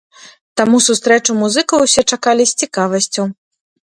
Таму сустрэчу музыкаў усе чакалі з цікавасцю.